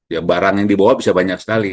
ya barang yang dibawa bisa banyak sekali